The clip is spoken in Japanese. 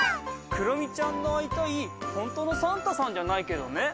クロミちゃんの会いたいホントのサンタさんじゃないけどね。